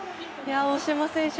大島選手